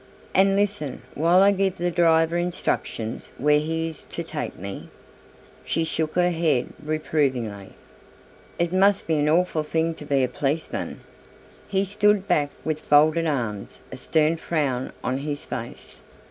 "And listen while I give the driver instructions where he is to take me?" She shook her head reprovingly. "It must be an awful thing to be a policeman." He stood back with folded arms, a stern frown on his face.